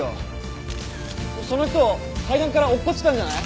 その人階段から落っこちたんじゃない？